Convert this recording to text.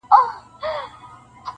o هر نظر دي زما لپاره د فتنو دی,